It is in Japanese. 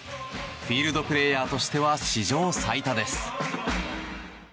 フィールドプレーヤーとしては史上最多です。